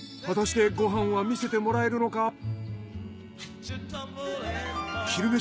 果たしてご飯は見せてもらえるのか？